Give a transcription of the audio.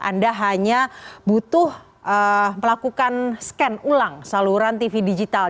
anda hanya butuh melakukan scan ulang saluran tv digital